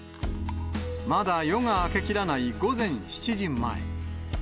まだ夜が明けきらない午前７時前。